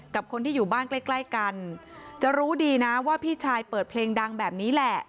กับคนที่อยู่บ้านใกล้ใกล้กันจะรู้ดีนะว่าพี่ชายเปิดเพลงดังแบบนี้แหละ